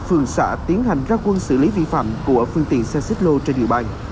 phường xã tiến hành ra quân xử lý vi phạm của phương tiện xe xích lô trên địa bàn